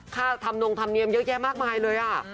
ทำนงธรรมเนียมเยอะแยะมากมายเลย